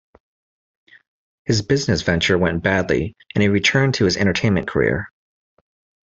His business venture went badly and he returned to his entertainment career.